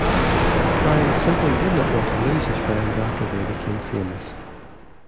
Brian simply did not want to lose his friends after they became famous.